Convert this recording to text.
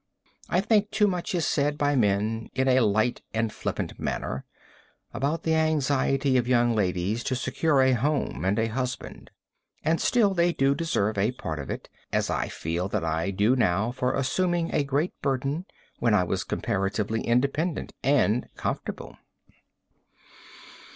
I think too much is said by the men in a light and flippant manner about the anxiety of young ladies to secure a home and a husband, and still they do deserve a part of it, as I feel that I do now for assuming a great burden when I was comparatively independent and comfortable.